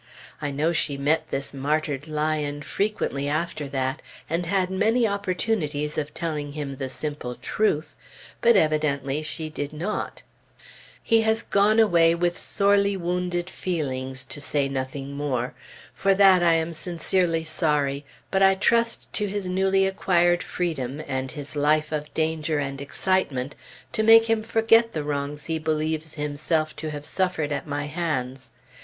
I know she met this martyred Lion frequently after that and had many opportunities of telling him the simple truth, but she evidently did not. He has gone away with sorely wounded feelings, to say nothing more; for that I am sincerely sorry; but I trust to his newly acquired freedom, and his life of danger and excitement, to make him forget the wrongs he believes himself to have suffered at my hands.